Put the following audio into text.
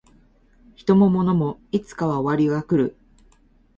人も物もいつかは終わりが来る